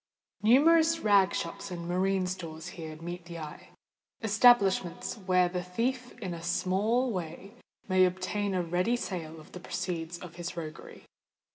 Numerous rag shops and marine stores here meet the eye,—establishments where the thief in a small way may obtain a ready sale for the proceeds of his roguery.